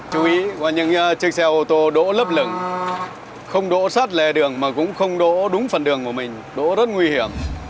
chú ý những chiếc xe ôtô đỗ lấp lửng không đỗ sát lề đường mà cũng không đỗ đúng phần đường của mình đỗ rất nguy hiểm